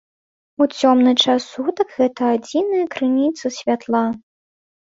У цёмны час сутак гэта адзіная крыніца святла.